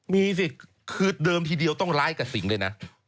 มีสิคือเดิมทีเดียวต้องร้ายกับสิ่งเลยนะ